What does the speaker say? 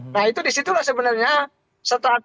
nah itu disitulah sebenarnya starting point